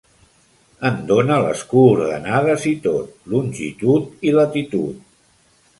En dóna les coordenades i tot, longitud i latitud.